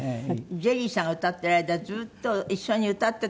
ジェリーさんが歌ってる間ずっと一緒に歌ってたよね。